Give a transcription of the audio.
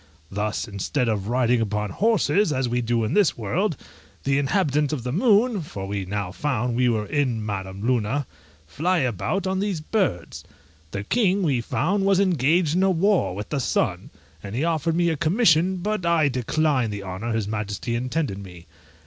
Thus, instead of riding upon horses, as we do in this world, the inhabitants of the moon (for we now found we were in Madam Luna) fly about on these birds. The king, we found, was engaged in a war with the sun, and he offered me a commission, but I declined the honour his majesty intended me.